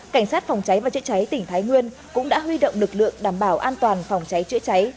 cảnh sát phòng cháy và chữa cháy tỉnh thái nguyên cũng đã huy động lực lượng đảm bảo an toàn phòng cháy chữa cháy